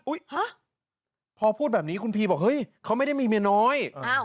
ฮะพอพูดแบบนี้คุณพีบอกเฮ้ยเขาไม่ได้มีเมียน้อย